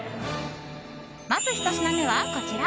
まず、１品目はこちら。